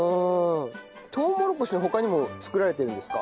とうもろこしの他にも作られてるんですか？